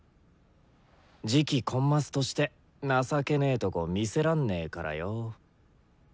次期コンマスとして情けねえとこ見せらんねえからよ。